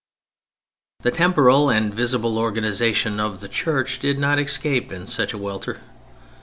The temporal and visible organization of the Church did not escape in such a welter.